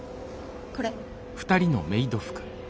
これ。